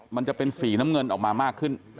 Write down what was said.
มันจะเป็นสีน้ำเงินออกมามากขึ้น